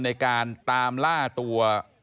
ในการตามล่าตัว